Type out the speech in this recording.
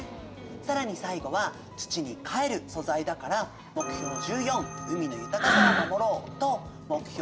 更に最後は土にかえる素材だから目標１４「海の豊かさを守ろう」と目標